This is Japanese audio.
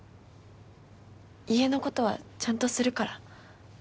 家のことはちゃんとするから。